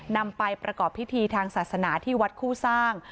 นำไปประกอบพิธีทางศาสนาที่วัดคู่สร้าง